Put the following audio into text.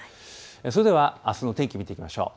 それではあすの天気を見ていきましょう。